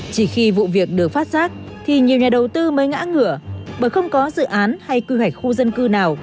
chỉ khi vụ việc được phát giác thì nhiều nhà đầu tư mới ngã ngửa bởi không có dự án hay quy hoạch khu dân cư nào